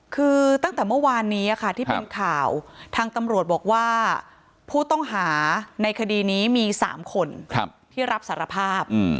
คือตั้งแต่เมื่อวานนี้ที่เป็นข่าวทางตำรวจบอกว่าผู้ต้องหาในคดีนี้มี๓คนที่รับสารภาพ